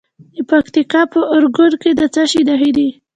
د پکتیکا په ارګون کې د څه شي نښې دي؟